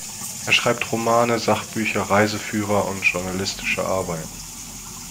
Er schreibt Romane, Sachbücher, Reiseführer und journalistische Arbeiten.